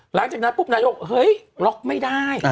หลังจากนั้นปุ๊บนายกบอกเฮ้ยล็อกไม่ได้